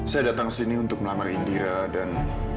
saya datang kesini untuk melamar indira dan